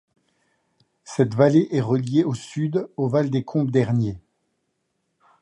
Cette vallée est reliée au sud au val des Combes Derniers.